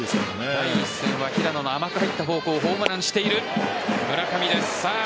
第１戦は平野の甘く入ったフォークをホームランにしている村上です。